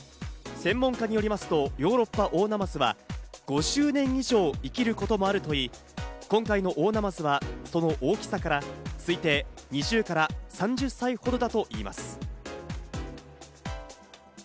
専門家によりますと、ヨーロッパオオナマズは５０年以上生きることもあるといい、今回のオオナマズはその大きさから、推定２０から３０歳ほどだといいます。